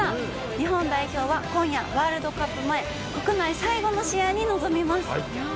日本代表は今夜、ワールドカップ前、国内最後の試合に臨みます。